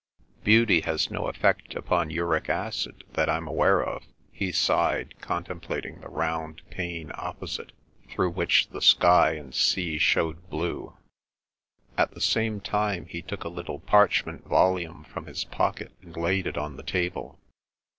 "Beauty has no effect upon uric acid that I'm aware of," he sighed, contemplating the round pane opposite, through which the sky and sea showed blue. At the same time he took a little parchment volume from his pocket and laid it on the table.